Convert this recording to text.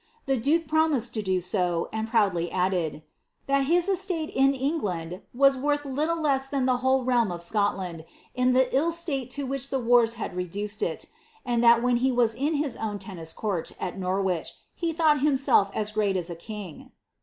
Th« duke promised to do so, and proudly added, >' that his estate in Englaml was worth little less than the whole tealm of Scotland, in the dl stale to which Ihe wars had reduced it; and that when he was in his own tennis court at Norwich, he thought himself as great as a king."